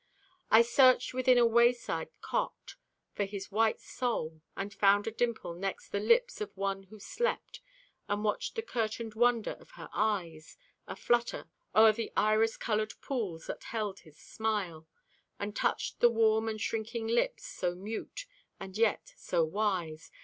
I searched within a wayside cot for His white soul, And found a dimple next the lips of one who slept, And watched the curtained wonder of her eyes, Aflutter o'er the iris colored pools that held His smile: And touched the warm and shrinking lips, so mute, And yet so wise.